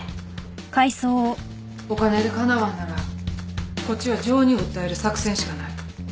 お金でかなわんならこっちは情に訴える作戦しかない